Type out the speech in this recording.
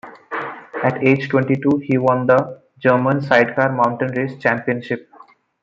At age twenty-two, he won the German sidecar mountain race championship.